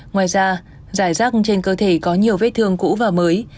ngoài ra giải rác trên cơ thể có nhiều vết thương cũ và mới